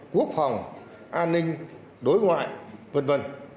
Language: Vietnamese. quốc phòng an ninh đối ngoại v v